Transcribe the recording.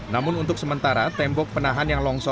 namun untuk sementara tembok penahan yang longsor